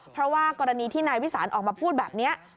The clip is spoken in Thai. เพราะว่ากรณีที่นายวิสานออกมาพูดแบบนี้